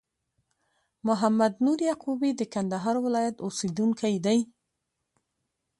محمد نور یعقوبی د کندهار ولایت اوسېدونکی دي